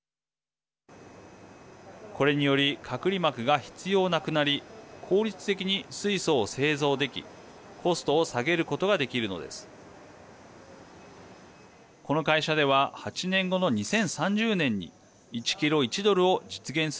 これにより隔離膜が必要なくなり効率的に水素を製造できコストを下げることができるのです。